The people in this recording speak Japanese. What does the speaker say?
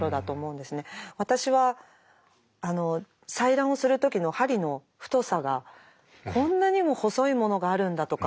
私は採卵をする時の針の太さがこんなにも細いものがあるんだとか